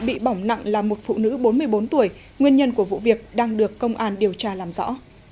bị bỏng nặng là một phụ nữ bốn mươi bốn tuổi nguyên nhân của vụ việc đang được công an điều tra làm rõ